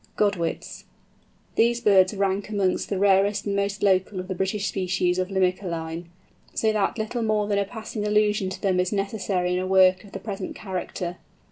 GODWITS. These birds rank amongst the rarest and most local of the British species of Limicolæ, so that little more than a passing allusion to them is necessary in a work of the present character.